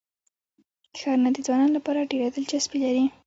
ښارونه د ځوانانو لپاره ډېره دلچسپي لري.